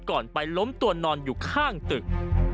ไปล้มตัวนอนอยู่ข้างตึก